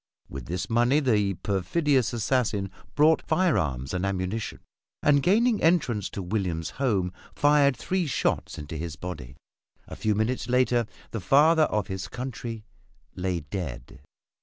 With this money the perfidious assassin bought firearms and ammunition, and gaining entrance to William's home fired three shots into his body. A few minutes later the "father of his country" lay dead.